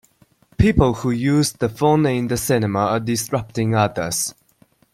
People who use the phone in the cinema are disrupting others.